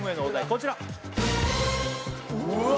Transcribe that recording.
こちらうわ